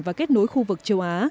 và kết nối khu vực châu á